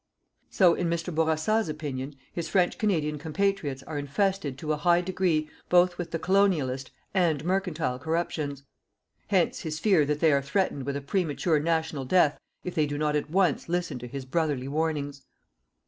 So, in Mr. Bourassa's opinion, his French Canadian compatriots are infested to a high degree both with the colonialist and mercantile corruptions. Hence, his fear that they are threatened with a premature national death if they do not at once listen to his brotherly warnings.